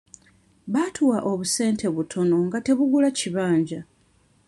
Baatuwa obusente butono nga tebugula kibanja.